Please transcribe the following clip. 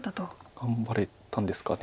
頑張れたんですかね。